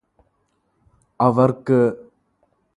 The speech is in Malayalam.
അവർക്ക്